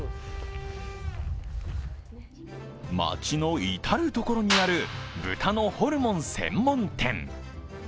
町の至る所にある豚のホルモン専門店。